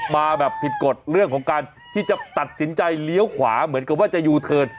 มาแบบผิดกฎเรื่องของการที่จะตัดสินใจเลี้ยวขวาเหมือนกับว่าจะยูเทิร์น